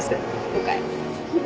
了解。